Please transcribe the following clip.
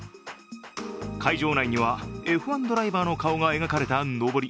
会場内には、Ｆ１ドライバーの顔が描かれたのぼり